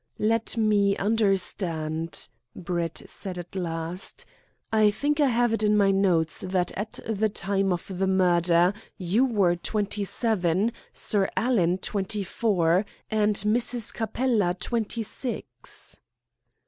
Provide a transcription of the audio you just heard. "Let me understand," Brett said at last. "I think I have it in my notes that at the time of the murder you were twenty seven, Sir Alan twenty four, and Mrs. Capella twenty six?"